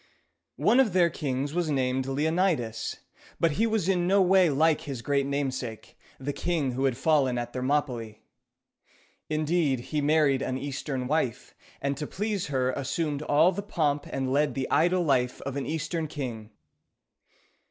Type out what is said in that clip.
One of their kings was named Leonidas; but he was in no way like his great namesake, the king who had fallen at Thermopylæ. Indeed, he married an Eastern wife, and to please her assumed all the pomp and led the idle life of an Eastern king.